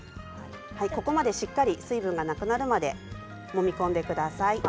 ここまでしっかり水分がなくなるまでもみ込んでください。